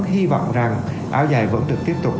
hy vọng rằng áo dài vẫn được tiếp tục